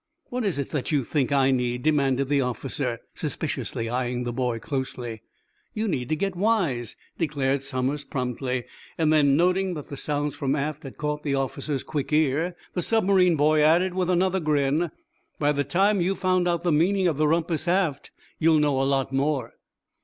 "What is it that you think I need?" demanded the officer, suspiciously, eyeing the boy closely. "You need to get wise," declared Somers, promptly. Then, noting that the sounds from aft had caught the officer's quick ear, the submarine boy added, with another grin: "By the time you've found out the meaning of the rumpus aft you'll know a lot more."